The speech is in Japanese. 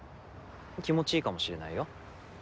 気持ちいいかもしれないよ。